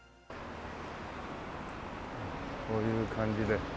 こういう感じで。